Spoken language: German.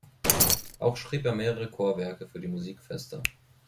Auch schrieb er mehrere Chorwerke für die Musikfeste.